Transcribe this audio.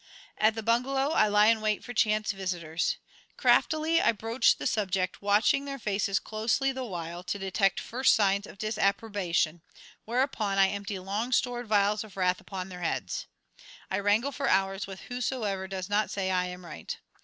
At the bungalow I lie in wait for chance visitors. Craftily I broach the subject, watching their faces closely the while to detect first signs of disapprobation, whereupon I empty long stored vials of wrath upon their heads. I wrangle for hours with whosoever does not say I am right.